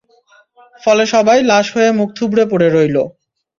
ফলে সবাই লাশ হয়ে মুখ থুবড়ে পড়ে রইল।